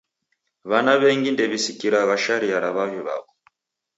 W'ana w'engi ndew'isikiragha sharia ra w'avi w'aw'o.